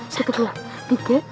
satu dua tiga